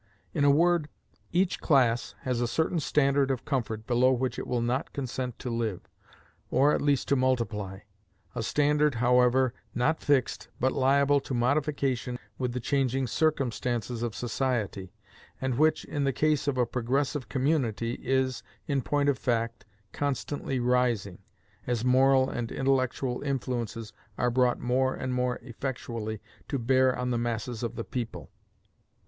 In a word, each class has a certain standard of comfort below which it will not consent to live, or at least to multiply, a standard, however, not fixed, but liable to modification with the changing circumstances of society, and which, in the case of a progressive community, is, in point of fact, constantly rising, as moral and intellectual influences are brought more and more effectually to bear on the masses of the people.